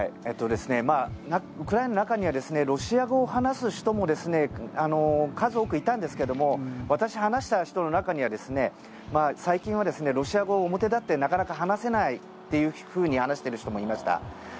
ウクライナの中にはロシア語を話す人も数多くいたんですけども私が話した人の中にはですね最近はロシア語を表立ってなかなか話せないというふうに話している人もいました。